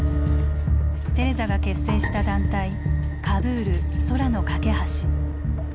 テレザが結成した団体カブール空の架け橋。